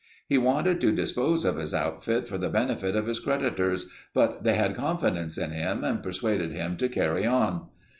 He wanted to dispose of his outfit for the benefit of his creditors but they had confidence in him and persuaded him to "carry on."